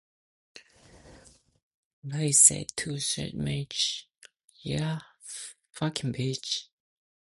Frey said to Schmit: You could sing like Smokey Robinson.